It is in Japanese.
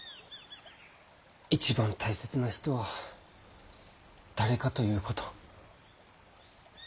一番大切な人は誰かということ。